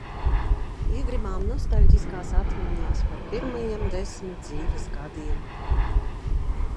Iegrimām nostaļģiskās atmiņās par pirmajiem desmit dzīves gadiem.